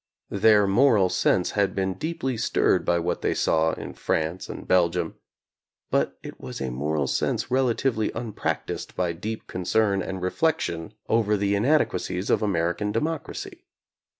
Their moral sense had been deeply stirred by what they saw in France and Belgium, but it was a moral sense relatively unpracticed by deep concern and reflection over the inadequacies of American democracy.